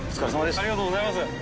ありがとうございます。